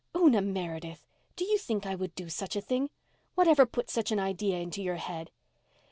"Una Meredith! Do you think I would do such a thing? Whatever put such an idea into your head?"